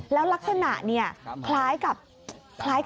แล้วลักษณะคล้ายกับหน่อนพญานาค